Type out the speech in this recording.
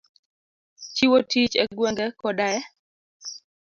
Chiwo tich e gwenge koda e